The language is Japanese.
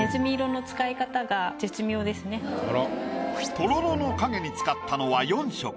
とろろの影に使ったのは４色。